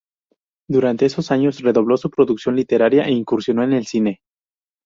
Durante esos años redobló su producción literaria, e incursionó en el cine.